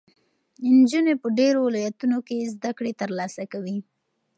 نجونې په ډېرو ولایتونو کې زده کړې ترلاسه کوي.